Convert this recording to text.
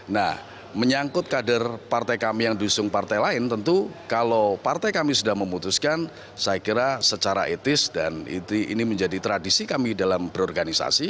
nah menyangkut kader partai kami yang diusung partai lain tentu kalau partai kami sudah memutuskan saya kira secara etis dan ini menjadi tradisi kami dalam berorganisasi